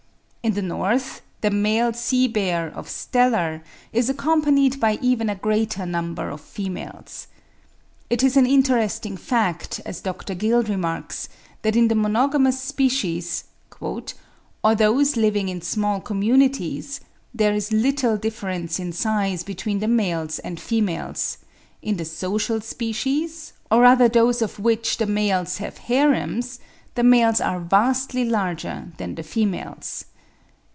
In the North, the male sea bear of Steller is accompanied by even a greater number of females. It is an interesting fact, as Dr. Gill remarks (15. 'The Eared Seals,' American Naturalist, vol. iv. Jan. 1871.), that in the monogamous species, "or those living in small communities, there is little difference in size between the males and females; in the social species, or rather those of which the males have harems, the males are vastly larger than the females."